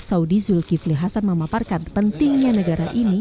saudi zulkifli hasan memaparkan pentingnya negara ini